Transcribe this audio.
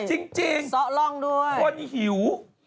จริงค่ะหิวหิวเลยคนหิว